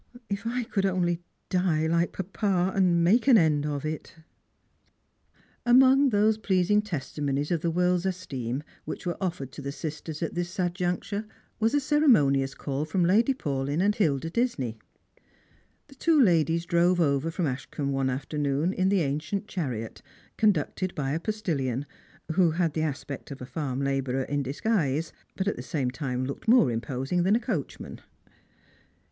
If I could only die, like papa, and make an end of it !" Among those pleasing testimonies of the world's esteem which were ofTered to the sisters at this sad juncture was a ceremonious call from Lady Paulyn and Hilda Disney. The two ladies drove over from Ashcombe one afternoon in the ancient chariot, conducted by a postilion, who had the aspect of a farm labourer in disguise, but at the same time looked more imposing than a coachman.